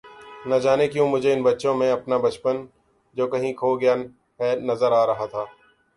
نجانے کیوں مجھے ان بچوں میں اپنا بچپن جو کہیں کھو گیا ہے نظر آ رہا تھا